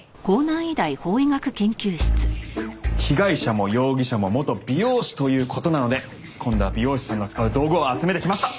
被害者も容疑者も元美容師という事なので今度は美容師さんが使う道具を集めてきました！